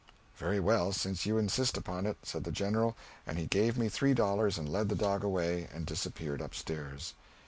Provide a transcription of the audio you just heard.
"Very well, since you insist upon it," said the General, and he gave me three dollars and led the dog away, and disappeared up stairs.